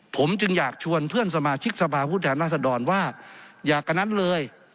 ผมจึงอยากชวนเพื่อนสมาชิกสภาพผู้แทนราษฎรว่าอยากกับนั้นเลย